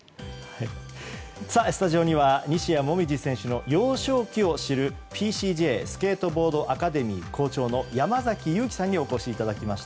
スタジオには西矢椛選手の幼少期を知るＰＳＪスケートボードアカデミー校長の山崎勇亀さんにお越しいただきました。